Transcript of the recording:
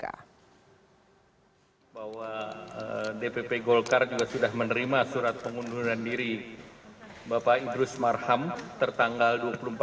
bahwa dpp golkar juga sudah menerima surat pengunduran diri bapak idrus marham